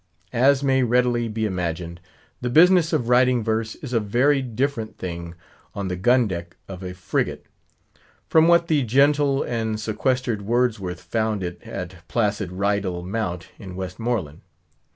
As may readily be imagined, the business of writing verse is a very different thing on the gun deck of a frigate, from what the gentle and sequestered Wordsworth found it at placid Rydal Mount in Westmoreland.